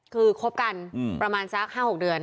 คือคบกันประมาณสัก๕๖เดือน